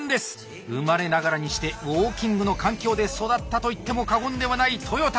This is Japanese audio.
生まれながらにしてウォーキングの環境で育ったといっても過言ではない豊田。